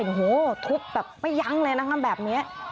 โอ้โหทุบแบบไม่ยั้งเลยนะคะแบบนี้